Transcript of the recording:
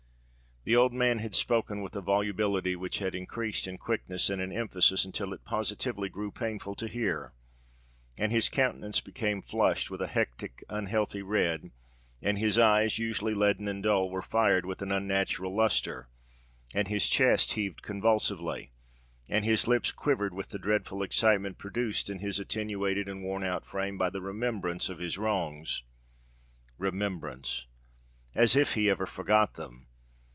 The old man had spoken with a volubility which had increased in quickness and in emphasis until it positively grew painful to hear;—and his countenance became flushed with a hectic, unhealthy red—and his eyes, usually leaden and dull, were fired with an unnatural lustre—and his chest heaved convulsively—and his lips quivered with the dreadful excitement produced in his attenuated and worn out frame by the remembrance of his wrongs. Remembrance!—as if he ever forgot them!